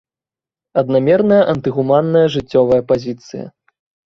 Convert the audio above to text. Аднамерная антыгуманная жыццёвая пазіцыя.